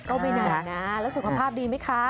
ก็ไม่นานนะแล้วสุขภาพดีไหมคะ